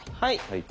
はい。